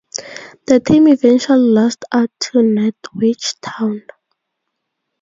The team eventually lost out to Nantwich Town.